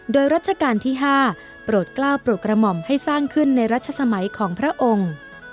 โดยรัชกาลที่๕โปรดกล้าวโปรดกระหม่อมให้สร้างขึ้นในรัชสมัยของพระองค์